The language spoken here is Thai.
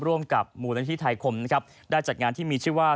ร่วมกับมูลนิธิไทยคมนะครับได้จัดงานที่มีชื่อว่า